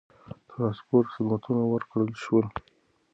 ترانسپورت خدمتونه ورکړل شول.